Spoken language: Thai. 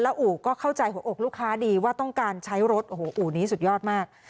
อู่ก็เข้าใจหัวอกลูกค้าดีว่าต้องการใช้รถโอ้โหอู่นี้สุดยอดมาก